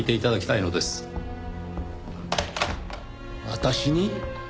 私に？